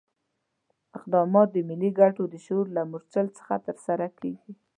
اقدامات د ملي ګټو د شعور له مورچل څخه ترسره کېږي.